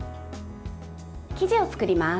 生地を作ります。